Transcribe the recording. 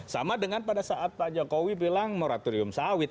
sama dengan pada saat pak jokowi bilang moratorium sawit